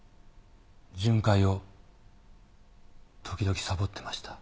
巡回を時々さぼってました。